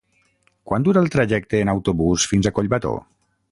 Quant dura el trajecte en autobús fins a Collbató?